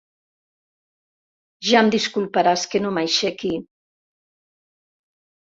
Ja em disculparàs que no m'aixequi...